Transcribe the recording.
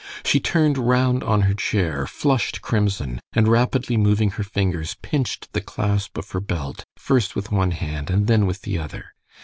She turned round on her chair, flushed crimson, and rapidly moving her fingers, pinched the clasp of her belt first with one hand and then with the other.